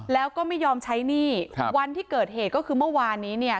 แล้วก็ไม่ยอมใช้หนี้ครับวันที่เกิดเหตุก็คือเมื่อวานนี้เนี่ย